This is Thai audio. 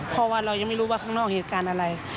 เพราะว่าเรายังไม่รู้ว่าข้างนอกเหตุการณ์อะไร